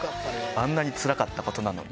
あんなにつらかったことなのに。